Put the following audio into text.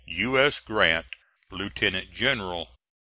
U. S. GRANT, Lieutenant General.